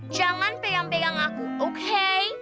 jangan pegang pegang aku oke